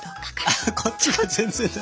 あこっちが全然だ。